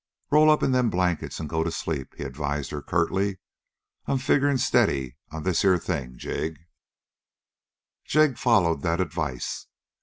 "Roll up in them blankets and go to sleep," he advised her curtly. "I'm figuring steady on this here thing, Jig." Jig followed that advice.